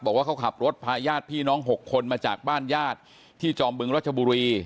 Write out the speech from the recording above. บอกว่าเขาขับรถพาญาติพี่น้อง๖คนมาจากบ้านญาติที่จอมบึงรัชบุรี